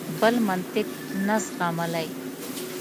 بل منطق نه زغملای.